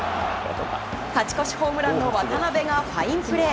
勝ち越しホームランも渡邉がファインプレー。